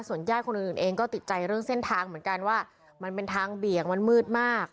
ญาติคนอื่นเองก็ติดใจเรื่องเส้นทางเหมือนกันว่ามันเป็นทางเบี่ยงมันมืดมาก